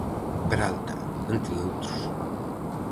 Peralta, entre outros.